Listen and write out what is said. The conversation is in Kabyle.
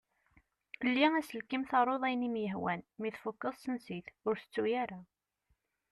Lli aselkim taruḍ ayen i m-ihwan. Mi tfukeḍ sens-it. Ur tettu ara!